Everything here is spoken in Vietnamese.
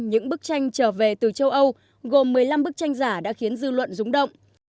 những bức tranh trở về từ châu âu gồm một mươi năm bức tranh giả đã khiến dư luận rúng động